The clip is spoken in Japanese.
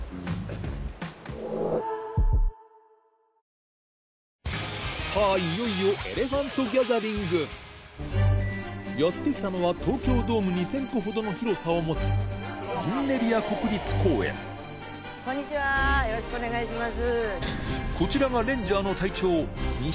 いよいよさぁいよいよやって来たのは東京ドーム２０００個ほどの広さを持つこんにちはよろしくお願いします。